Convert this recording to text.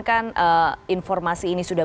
kan informasi ini sudah